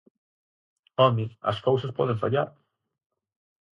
¡Home!, ¿as cousas poden fallar?